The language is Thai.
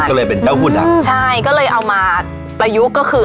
ก็เลยเป็นเต้าหู้ดำใช่ก็เลยเอามาประยุกต์ก็คือ